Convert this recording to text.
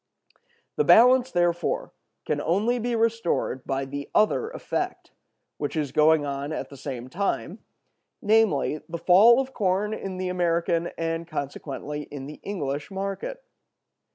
The balance, therefore, can only be restored by the other effect, which is going on at the same time, namely, the fall of corn in the American and consequently in the English market.